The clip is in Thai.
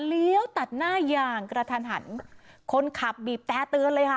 เลี้ยวตัดหน้าอย่างกระทันหันคนขับบีบแต่เตือนเลยค่ะ